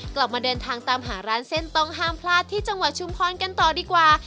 กลับมาเดินทางตามหาร้านเส้นต้องห้ามพลาดที่จังหวัดชุมพรกันต่อดีกว่า